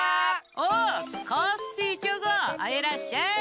おっコッシーチョコンいらっしゃい！